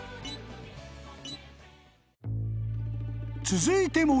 ［続いても］